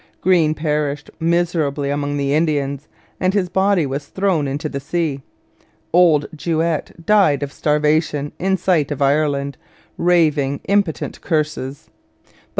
Greene perished miserably among the Indians, and his body was thrown into the sea. Old Juet died of starvation in sight of Ireland, raving impotent curses.